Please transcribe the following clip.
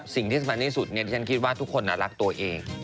สิ่งที่สำคัญที่สุดที่ฉันคิดว่าทุกคนรักตัวเอง